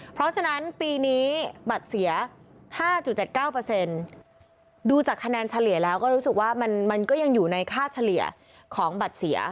เพราะฉะนั้นปีนี้บัตรเสียห้าจุดเจ็ดเก้าเปอร์เซ็นต์ดูจากคะแนนเฉลี่ยแล้วก็รู้สึกว่ามันมันก็ยังอยู่ในค่าเฉลี่ยของบัตรเสีย